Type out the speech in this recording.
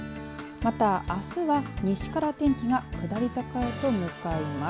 また、あすは西から天気が下り坂へと向かいます。